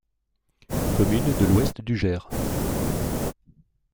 Commune de l'ouest du Gers.